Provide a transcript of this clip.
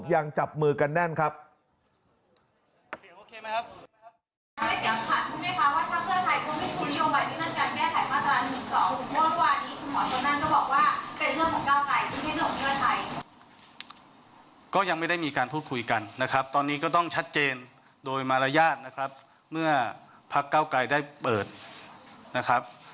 ยังจับมือกันแน่นครับ